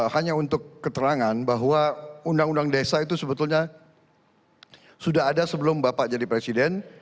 hanya untuk keterangan bahwa undang undang desa itu sebetulnya sudah ada sebelum bapak jadi presiden